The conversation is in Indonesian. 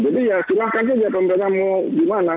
jadi ya silahkan saja pemerintah mau gimana